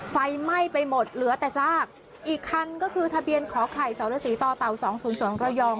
ไฟไหม้ไปหมดเหลือแต่ซากอีกคันก็คือทะเบียนขอไข่สรสีต่อเต่าสองศูนย์สองระยอง